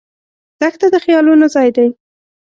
دښته د خیالونو ځای دی.